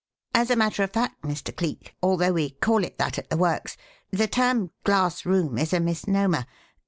As a matter of fact, Mr. Cleek, although we call it that at the works, the term Glass Room is a misnomer.